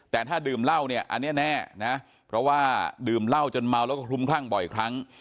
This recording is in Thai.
แต่ถ้าดื่มเหล้าเนี่ยอันนี้แน่นะเพราะว่าดื่มเหล้าจนเมาแล้วก็คลุมคลั่งบ่อยครั้ง